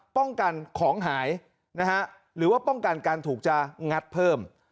ป้องกันของหายนะฮะหรือว่าป้องกันการถูกจะงัดเพิ่ม